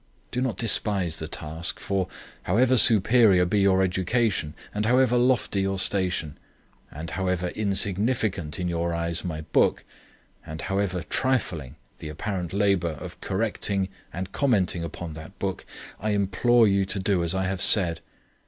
Do not despise the task, for, however superior be your education, and however lofty your station, and however insignificant, in your eyes, my book, and however trifling the apparent labour of correcting and commenting upon that book, I implore you to do as I have said.